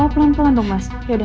pelan pelan dong mas